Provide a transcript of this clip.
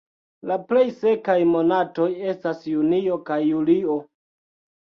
La plej sekaj monatoj estas junio kaj julio.